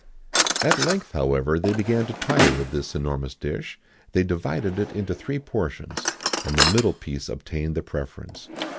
[XIX 72] At length, however, they began to tire of this enormous dish; they divided it into three portions, and the middle piece obtained the preference.